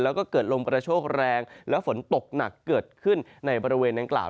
แล้วก็เกิดลมกระโชคแรงและฝนตกหนักเกิดขึ้นในบริเวณดังกล่าว